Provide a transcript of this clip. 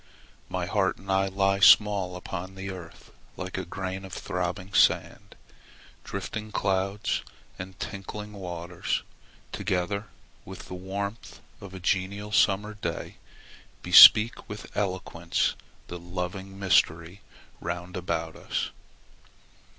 My heart and I lie small upon the earth like a grain of throbbing sand. Drifting clouds and tinkling waters, together with the warmth of a genial summer day, bespeak with eloquence the loving Mystery round about us.